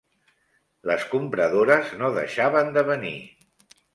Les compradores no deixaven de venir.